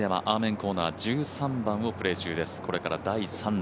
コーナー１３番をプレー中です。